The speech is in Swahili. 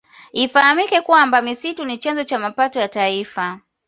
Ifahamike kwamba misitu ni chanzo cha mapato ya nchi